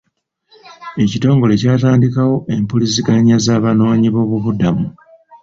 Ekitongole kyatandikawo empuliziganya z'abanoonyi boobubudamu.